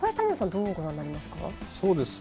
どのようにご覧になりますか？